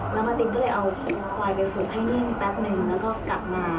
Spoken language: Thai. แล้วมาตินก็เลยเอาควายไปฝึกให้นิ่งแป๊บนึงแล้วก็กลับมา